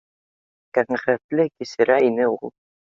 Ҡәнәғәтлек кисерә ине ул